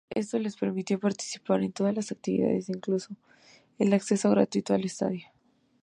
Esto les permitió participar de todas las actividades, incluido el acceso gratuito al estadio.